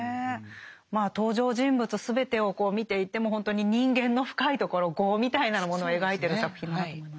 まあ登場人物全てをこう見ていてもほんとに人間の深いところ業みたいなものを描いてる作品だと思いますね。